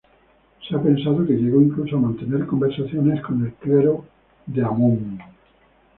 Se ha pensado que llegó incluso a mantener conversaciones con el clero de Amón.